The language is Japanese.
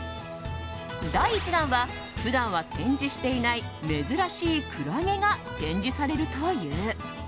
第１弾は普段は展示していない珍しいクラゲが展示されるという。